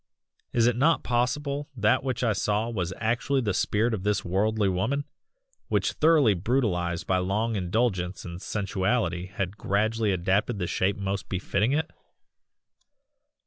Is it not possible that what I saw was actually the spirit of this worldly woman, which thoroughly brutalised by long indulgence in sensuality had gradually adapted that shape most befitting IT."